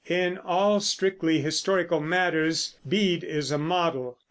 In all strictly historical matters Bede is a model.